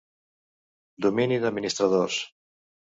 Domini d'administradors.